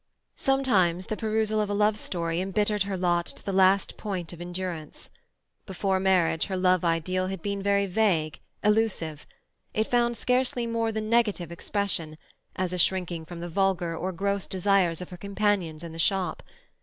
Sometimes the perusal of a love story embittered her lot to the last point of endurance. Before marriage, her love ideal had been very vague, elusive; it found scarcely more than negative expression, as a shrinking from the vulgar or gross desires of her companions in the shop.